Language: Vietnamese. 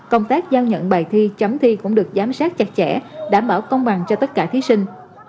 công tác giao nhận bài thi chấm thi cũng được giám sát chặt chẽ đảm bảo công bằng cho tất cả thí sinh